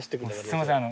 すみません